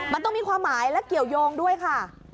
มันต้องมีความหมายและเกี่ยวยงด้วยค่ะ